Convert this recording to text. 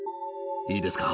いいですか。